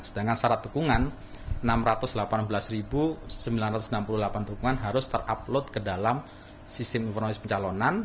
sedangkan syarat dukungan enam ratus delapan belas sembilan ratus enam puluh delapan dukungan harus terupload ke dalam sistem informasi pencalonan